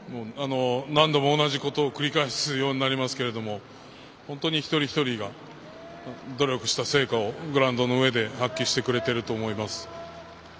何度も同じことを繰り返すようになりますが本当に一人一人が努力した成果をグラウンドの上で発揮してくれていると思います。